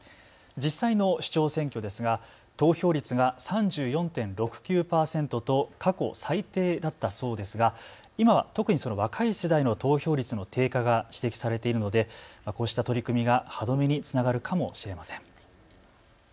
実際の市長選挙ですが投票率が３４．６９％と過去最低だったそうですが今は特に若い世代の投票率の低下が指摘されているのでこうした取り組みが歯止めにつながるかもしれません。